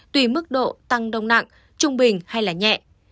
tùy mức độ tăng đông nặng trung bình hay nhẹ